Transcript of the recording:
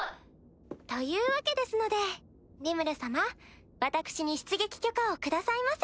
というわけですのでリムル様私に出撃許可を下さいませ。